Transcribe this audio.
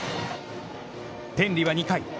天理は２回。